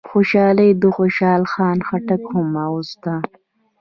خولۍ د خوشحال خان خټک هم اغوسته.